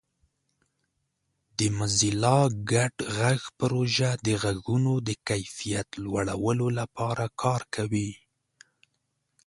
د موزیلا ګډ غږ پروژه د غږونو د کیفیت لوړولو لپاره کار کوي.